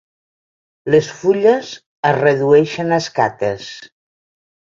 Les fulles es redueixen a escates.